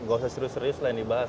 gak usah serius serius lah yang dibahas